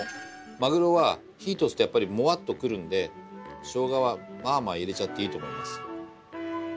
まぐろは火通すとモワッとくるんでしょうがはまあまあ入れちゃっていいと思います。